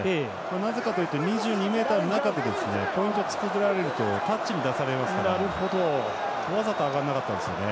なぜかというとニュージーランドは２２ｍの中でポイントを作られるとタッチに出されますからわざと上がらなかったですね。